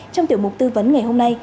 trong tiểu mục tư vấn ngày hôm nay